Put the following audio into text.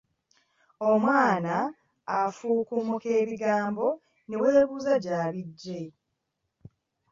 Omwana afukumuka ebigambo ne weebuuza gy’abijja.